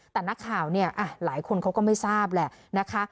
แต่นักข่าวเนี่ยหลายคนเขาก็ไม่ทราบแหละนะคะ